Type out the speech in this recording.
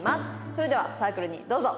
それではサークルにどうぞ。